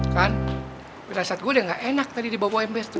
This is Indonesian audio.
kan perasaan gue udah ga enak tadi di bawa ember tuh